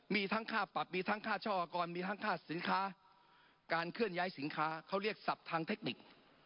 มีทั้งค่าปรับมีทั้งค่าช่ออากรมีทั้งค่าสินค้าการเคลื่อนย้ายสินค้าเขาเรียกศัพท์ทางเทคนิค